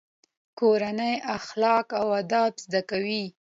کورنۍ اخلاق او ادب زده کوي.